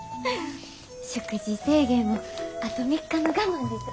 食事制限もあと３日の我慢です。